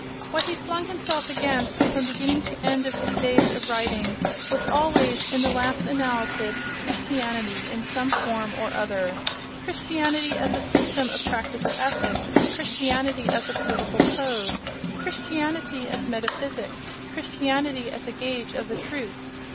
What he flung himself against, from beginning to end of his days of writing, was always, in the last analysis, Christianity in some form or other—Christianity as a system of practical ethics, Christianity as a political code, Christianity as meta physics, Christianity as a gauge of the truth.